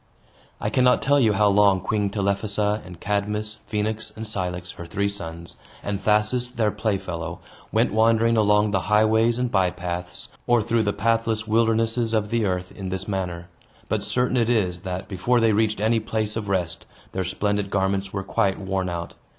I cannot tell you how long Queen Telephassa, and Cadmus, Phoenix, and Cilix, her three sons, and Thasus, their playfellow, went wandering along the highways and bypaths, or through the pathless wildernesses of the earth, in this manner. But certain it is, that, before they reached any place of rest, their splendid garments were quite worn out.